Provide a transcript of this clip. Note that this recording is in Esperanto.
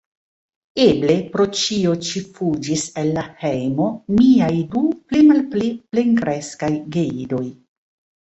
Eble pro ĉio ĉi fuĝis el la hejmo miaj du pli-malpli plenkreskaj geidoj.